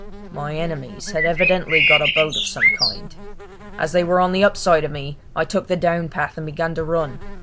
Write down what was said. My enemies had evidently got a boat of some kind. As they were on the up side of me I took the down path and began to run.